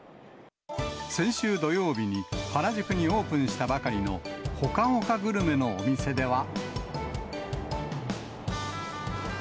先週土曜日に、原宿にオープンしたばかりのほかほかグルメのお店では。